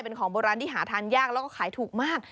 เป็นของโบราณที่หาทานยากแล้วก็ขายถูกมาก